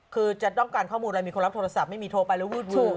คือจะต้องการข้อมูลอะไรมีคนรับโทรศัพท์ไม่มีโทรไปแล้ววูดชู